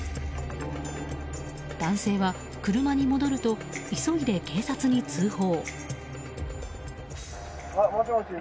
男性は車に戻ると急いで警察に通報。